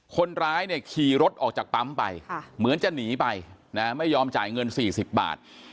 คนร้ายเนี่ยขี่รถออกจากปั๊มไปเหมือนจะหนีไปไม่ยอมจ่ายเงิน๔๐บาท